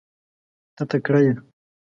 ته تکړه یې .